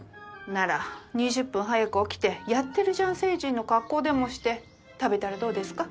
なら２０分早く起きてやってるじゃん星人の格好でもして食べたらどうですか。